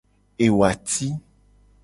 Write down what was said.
Ewati.